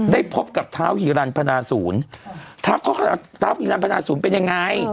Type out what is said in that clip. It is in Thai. พบกับเท้าฮีรันพนาศูนย์ท้าวฮิรันพนาศูนย์เป็นยังไง